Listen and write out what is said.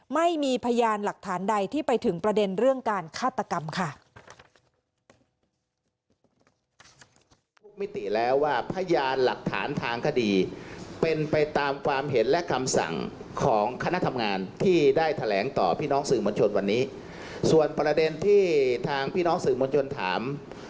ไม่มีพยานหลักฐานใดที่ไปถึงประเด็นเรื่องการฆาตกรรมค่ะ